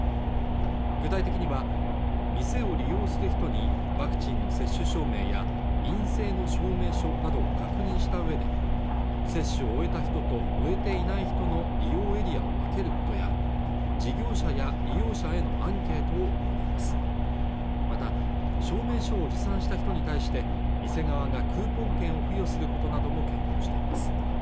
具体的には店を利用する人にワクチンの接種証明や陰性の証明書などを確認した上で接種を終えた人と終えていない人の利用エリアを分ける事や事業者や利用者へのアンケートを行いますまた証明書を持参した人に対して店側がクーポン券を付与することなども検討しています